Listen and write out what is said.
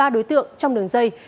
một mươi ba đối tượng trong đường dây